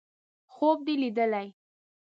_خوب دې ليدلی!